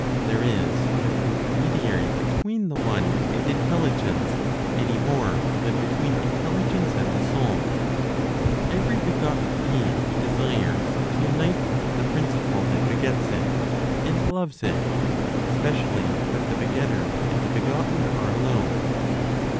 There is no intermediary between the One and Intelligence, any more than between Intelligence and the Soul. Every begotten being desires to unite with the principle that begets it, and loves it, especially when the begetter and the begotten are alone.